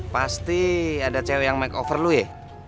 pasti ada cewek yang makeover lu ya